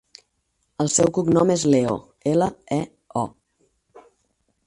El seu cognom és Leo: ela, e, o.